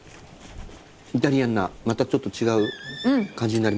イタリアンなまたちょっと違う感じになります？